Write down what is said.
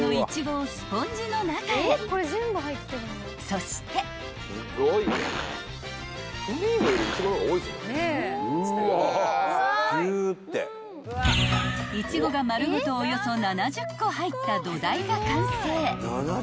［そして］［イチゴが丸ごとおよそ７０個入った土台が完成］